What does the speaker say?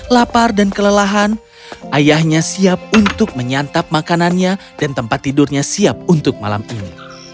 lapar dan kelelahan ayahnya siap untuk menyantap makanannya dan tempat tidurnya siap untuk malam ini